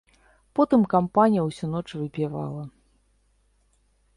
Потым кампанія ўсю ноч выпівала.